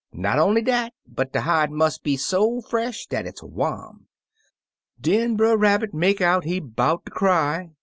Not only dat, but de hide mus' be so fresh dat it's warm.' "Den Brer Rabbit make out he 'bout ter cry.